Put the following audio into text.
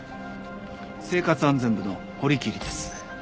生活安全部の堀切です。